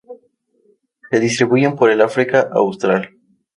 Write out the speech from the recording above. Se distribuyen por el África austral.